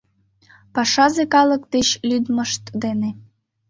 Пашазе калык деч лӱдмышт дене